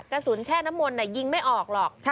กระสุนแช่น้ำมนต์น่ะยิงไม่ออกหรอก